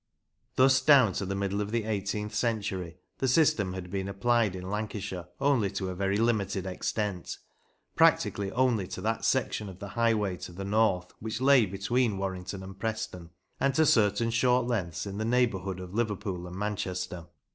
Thus down to the middle of the eighteenth century the system had been applied in Lancashire only to a very limited extent, practically only to that section of the highway to the north which lay between Warrington and Preston, and to certain short lengths in the neighbourhood of Liverpool and Manchester.